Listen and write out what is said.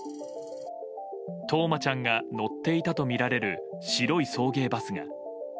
冬生ちゃんが乗っていたとみられる白い送迎バスが。